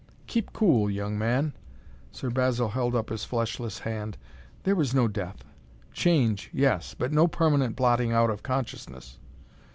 "Keep cool, young man!" Sir Basil held up his fleshless hand. "There is no death! Change, yes; but no permanent blotting out of consciousness.